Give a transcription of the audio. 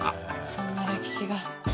そんな歴史が。